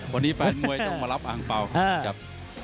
วันนี้แฟนมวยต้องมารับอังเปล่าครับ